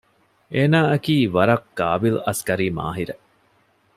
އޭނާއަކީ ވަރަށް ޤާބިލު އަސްކަރީ މާހިރެއް